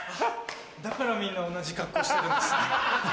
だからみんな同じ格好してるんですね。